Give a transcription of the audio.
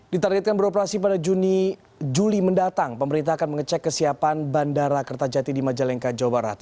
ditargetkan beroperasi pada juni juli mendatang pemerintah akan mengecek kesiapan bandara kertajati di majalengka jawa barat